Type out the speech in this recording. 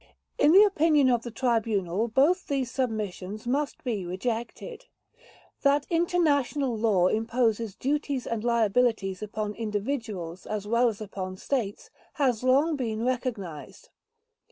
In the opinion of the Tribunal, both these submissions must be rejected. That international law imposes duties and liabilities upon individuals as well as upon States has long been recognized.